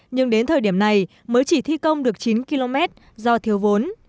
nhưng đến thời điểm này mới chỉ thi công được chín km do thiếu vốn